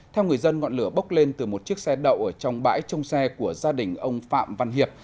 theo người dân ngọn lửa bốc lên từ một chiếc xe đậu ở trong bãi trông xe của gia đình ông phạm văn hiệp